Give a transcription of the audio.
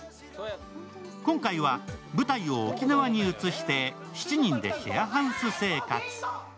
今回は舞台を沖縄に移して７人でシェアハウス生活。